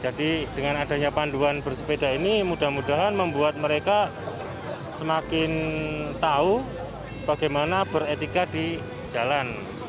jadi dengan adanya panduan bersepeda ini mudah mudahan membuat mereka semakin tahu bagaimana beretika di jalan